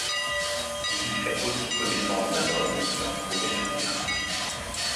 Il y fait aussi connaissance d'un homme qui leur promet la liberté.